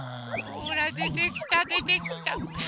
ほらでてきたでてきた！